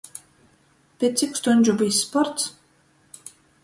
Piec cik stuņžu byus sports?